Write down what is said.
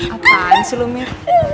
apaan sih lo mir